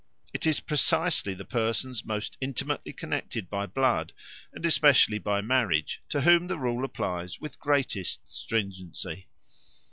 It is precisely the persons most intimately connected by blood and especially by marriage to whom the rule applies with the greatest stringency.